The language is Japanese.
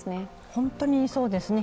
本当にそうですね。